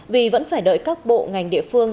vì vẫn phải đợi các bộ ngành địa phương